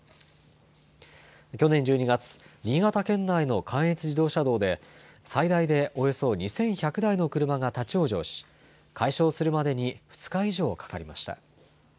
去年１２月、新潟県内の関越自動車道で、最大でおよそ２１００台の車が立往生し、解消するまでに２日以上かかりました。